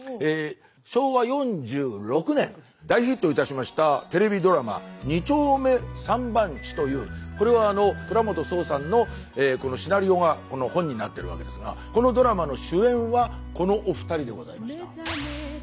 昭和４６年大ヒットいたしましたテレビドラマ「２丁目３番地」というこれは倉本聰さんのシナリオがこの本になってるわけですがこのドラマの主演はこのお二人でございました。